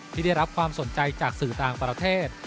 ที่ได้รับความสนใจจากสื่อต่างประเทศ